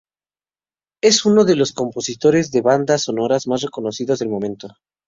Es uno de los compositores de bandas sonoras más reconocidos del momento.